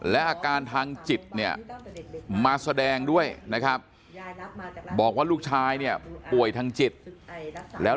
และอาการทางจิตเนี่ยมาแสดงด้วยนะครับบอกว่าลูกชายเนี่ยป่วยทางจิตแล้ว